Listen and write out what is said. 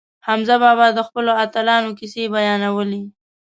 حمزه بابا د خپلو اتلانو کیسې بیانولې.